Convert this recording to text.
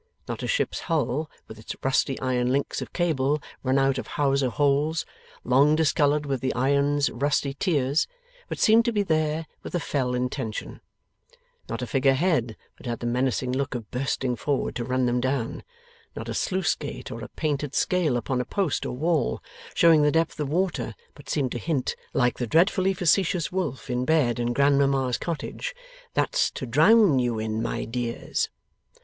Not a ship's hull, with its rusty iron links of cable run out of hawse holes long discoloured with the iron's rusty tears, but seemed to be there with a fell intention. Not a figure head but had the menacing look of bursting forward to run them down. Not a sluice gate, or a painted scale upon a post or wall, showing the depth of water, but seemed to hint, like the dreadfully facetious Wolf in bed in Grandmamma's cottage, 'That's to drown YOU in, my dears!